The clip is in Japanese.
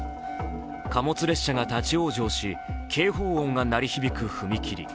貨物列車が立往生し警報音が鳴り響く踏切。